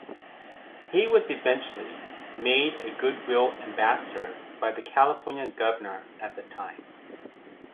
He was eventually made a goodwill ambassador by the California Governor at the time.